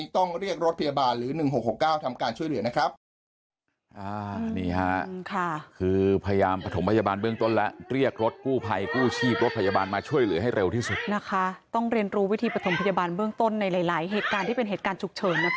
ต้องเรียนรู้วิธีปฐมพยาบาลเบื้องต้นในหลายเหตุการณ์ที่เป็นเหตุการณ์ฉุกเฉิงนะครับ